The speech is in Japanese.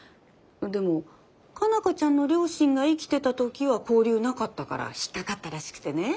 でも佳奈花ちゃんの両親が生きてた時は交流なかったから引っ掛かったらしくてね。